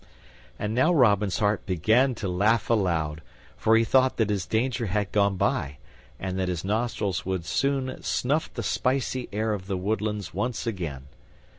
And now Robin's heart began to laugh aloud, for he thought that his danger had gone by, and that his nostrils would soon snuff the spicy air of the woodlands once again.